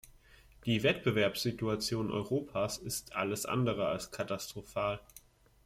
Die Wettbewerbssituation Europas ist alles andere als katastrophal.